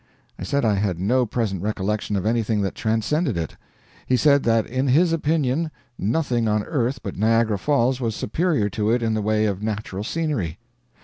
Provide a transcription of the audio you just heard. I said I had no present recollection of anything that transcended it. He said that in his opinion nothing on earth but Niagara Falls was superior to it in the way of natural scenery.